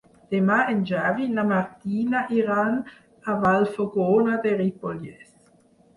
Demà en Xavi i na Martina iran a Vallfogona de Ripollès.